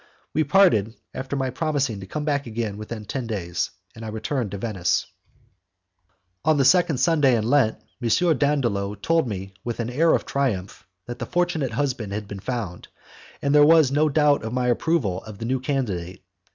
We parted, after my promising to come back again within ten days, and I returned to Venice. On the second Sunday in Lent, M. Dandolo told me with an air of triumph that the fortunate husband had been found, and that there was no doubt of my approval of the new candidate.